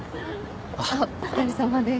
お疲れさまです。